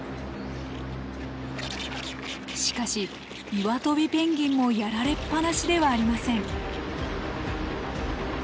しかしイワトビペンギンもやられっぱなしではありません。